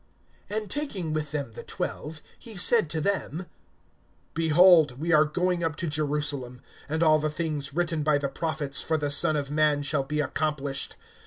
(31)And taking with him the twelve, he said to them: Behold, we are going up to Jerusalem, and all the things written by the prophets for the Son of man shall be accomplished.